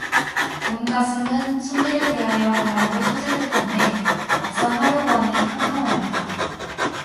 온 가슴은 선비를 대하여 할 말로 터질 듯한데 막상 하려고 하니 캄캄하였다.